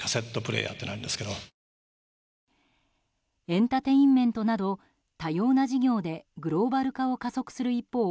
エンターテインメントなど多様な事業でグローバル化を加速する一方